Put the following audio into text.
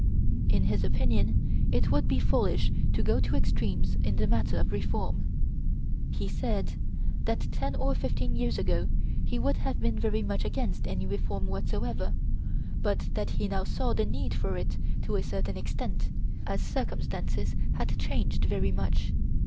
In his opinion it would be foolish to go to extremes in the matter of reform. He said that ten or fifteen years ago he would have been very much against any reform whatsoever, but that he now saw the need for it to a certain extent, as circumstances had changed very much.